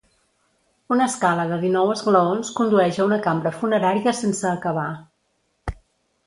Una escala de dinou esglaons condueix a una cambra funerària sense acabar.